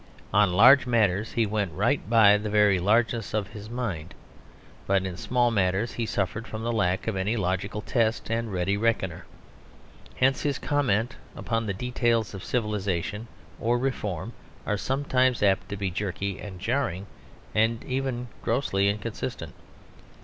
On large matters he went right by the very largeness of his mind; but in small matters he suffered from the lack of any logical test and ready reckoner. Hence his comment upon the details of civilisation or reform are sometimes apt to be jerky and jarring, and even grossly inconsistent.